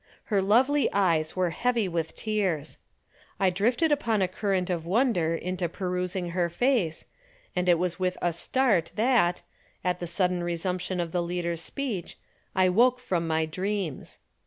Her lovely eyes were heavy with tears. I drifted upon a current of wonder into perusing her face, and it was with a start that, at the sudden resumption of the leader's speech, I woke from my dreams.